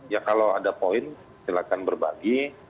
ya kalau ada poin silakan berbagi